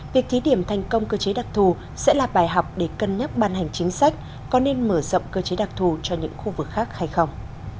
việc thí điểm thành công cơ chế đặc thù sẽ là bài học để cân nhắc ban hành chính sách có nên mở rộng cơ chế đặc thù cho những khu vực khác hay không